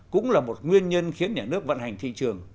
cũng là một nguyên nhân khiến nhà nước vận hành thị trường